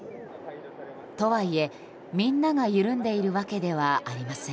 とはいえ、みんなが緩んでいるわけではありません。